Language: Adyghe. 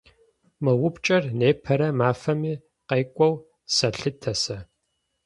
Мы упчӏэр непэрэ мафэми къекӏоу сэлъытэ сэ.